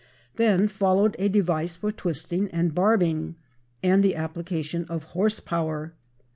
Then followed a device for twisting and barbing, and the application of horse power.